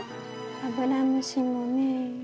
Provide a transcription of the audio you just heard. アブラムシもね。